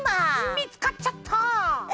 みつかっちゃった！